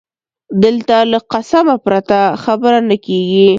دلته له قسمه پرته خبره نه کېږي